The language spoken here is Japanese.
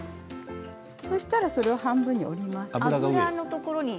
そしたらそれを半分に折ります。